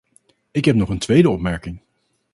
Ik heb nog een tweede opmerking.